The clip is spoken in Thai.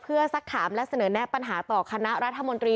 เพื่อสักถามและเสนอแนะปัญหาต่อคณะรัฐมนตรี